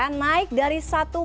yang naik dari